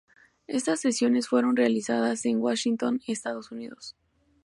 Estas sesiones fueron realizadas en Washington, Estados Unidos.